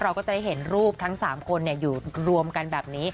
เราก็จะได้เห็นรูปทั้ง๓คนอยู่รวมกันแบบนี้